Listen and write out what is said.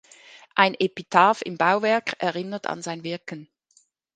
Ein Epitaph im Bauwerk erinnert an sein Wirken.